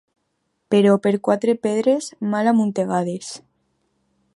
Però per quatre pedres mal amuntegades!